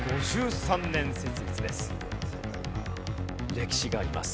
歴史があります。